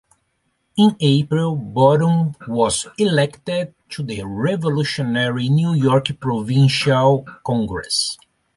In April, Boerum was elected to the revolutionary New York Provincial Congress.